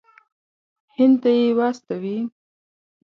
هند ته یې واستوي.